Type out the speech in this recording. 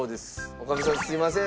女将さんすみません。